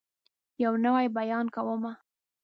يو نوی بيان کومه